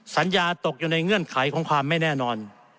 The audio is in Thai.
สัญญาตกอยู่ในเงื่อนไขของความไม่แน่นอน